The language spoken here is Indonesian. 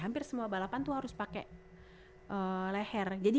hampir semua balapan tuh harus pakai leher